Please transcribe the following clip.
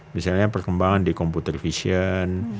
misalnya perkembangan di komputer vision